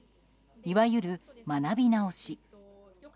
いわゆる学び直し。